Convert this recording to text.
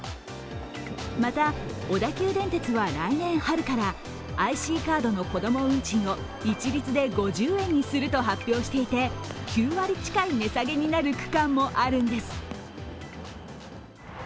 また、小田急電鉄は来年春からＩＣカードの子供運賃を一律で５０円にすると発表していて、９割近い値下げになる区間もあるんです。